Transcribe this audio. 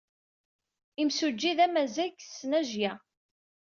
Imsujji d amazzay deg tesnajya.